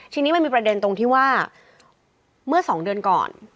ทีนี้มันมีประเด็นตรงที่ว่าเมื่อ๒เดือนก่อน